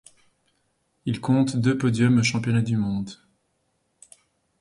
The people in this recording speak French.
Il compte deux podiums aux Championnats du monde.